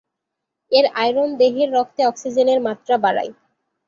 এর আয়রন দেহের রক্তে অক্সিজেনের মাত্রা বাড়ায়।